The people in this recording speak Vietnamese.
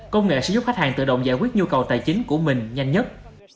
công nghệ sẽ giúp khách hàng tự động giải quyết nhu cầu tài chính của mình nhanh nhất